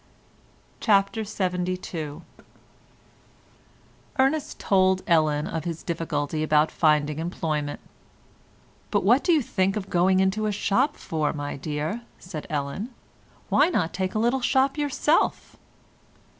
CHAPTER LXXII Ernest told Ellen of his difficulty about finding employment. "But what do you think of going into a shop for, my dear," said Ellen. "Why not take a little shop yourself?"